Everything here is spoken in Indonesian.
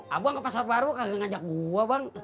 abang ke pasar baru ngajak gue bang